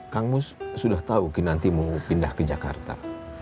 kang mus sudah tahu kinanti mau pindah ke jakarta